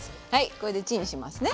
これでチンしますね。